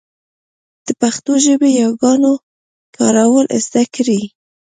د پښتو ژبې ياګانو کارول زده کړئ.